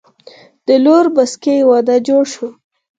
د لور بسکي وادۀ جوړ شو